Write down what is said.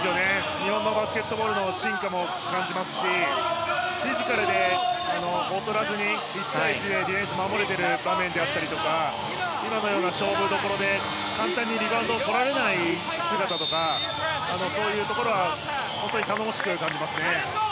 日本のバスケットボールの進化も感じますしフィジカルで劣らずに１対１でディフェンス守れている場面だったり今のような勝負どころで簡単にリバウンドをとられない姿とかそういうところは本当に頼もしく感じますね。